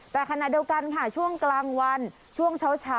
แต่ขณะเดียวกันค่ะช่วงกลางวันช่วงเช้า